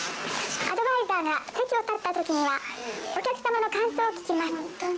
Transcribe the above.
アドバイザーが席を立った時にはお客さまの感想を聞きます。